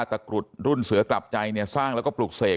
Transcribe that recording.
กรุดรุ่นเสือกลับใจเนี่ยสร้างแล้วก็ปลูกเสก